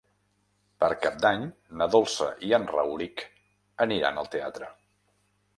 Per Cap d'Any na Dolça i en Rauric aniran al teatre.